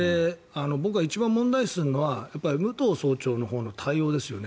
僕は一番問題視するのは武藤総長のほうの対応ですね。